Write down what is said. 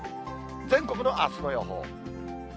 全国のあすの予報。